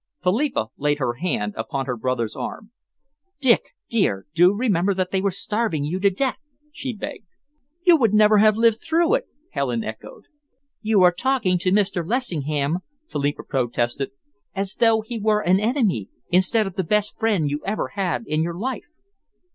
Philippa laid her hand upon her brother's arm. "Dick, dear, do remember that they were starving you to death!" she begged. "You would never have lived through it," Helen echoed. "You are talking to Mr. Lessingham," Philippa protested, "as though he were an enemy, instead of the best friend you ever had in your life."